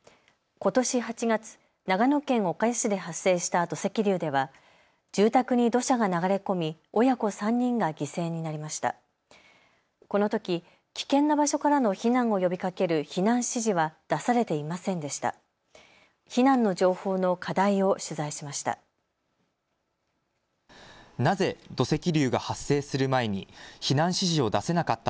このとき危険な場所からの避難を呼びかける避難指示は出されていませんでした。